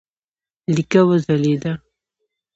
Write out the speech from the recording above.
لیکه وځلېده.